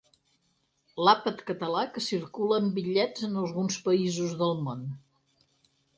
L'àpat català que circula en bitllets en alguns països del món.